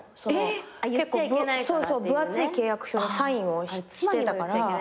結構分厚い契約書にサインをしてたから。